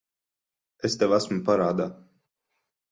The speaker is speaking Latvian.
Es tev esmu parādā.